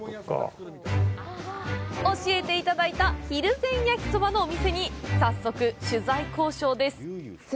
教えていただいたひるぜん焼きそばのお店に早速、取材交渉です！